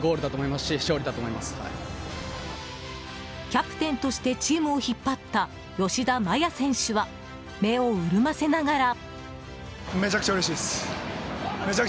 キャプテンとしてチームを引っ張った吉田麻也選手は目を潤ませながら。